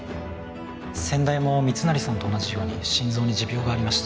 先代も密成さんと同じように心臓に持病がありまして